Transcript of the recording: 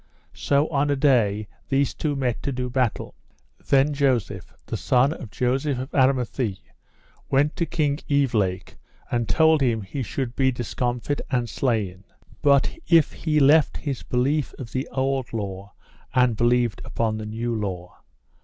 So on a day these two met to do battle. Then Joseph, the son of Joseph of Aramathie, went to King Evelake and told him he should be discomfit and slain, but if he left his belief of the old law and believed upon the new law.